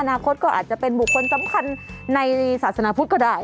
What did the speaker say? นาคตก็อาจจะเป็นบุคคลสำคัญในศาสนาพุทธก็ได้